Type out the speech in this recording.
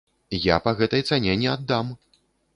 Я па гэтай цане не аддам!